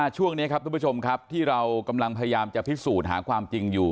ช่วงนี้ครับทุกผู้ชมครับที่เรากำลังพยายามจะพิสูจน์หาความจริงอยู่